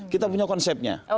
kita punya konsepnya